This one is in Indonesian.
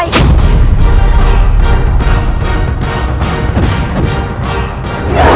ketika kamu menyerangku rai